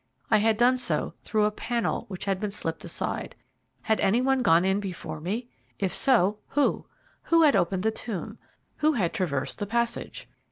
I had done so through a panel which had been slipped aside. Had any one gone in before me? If so who! Who had opened the tomb? Who had traversed the passage?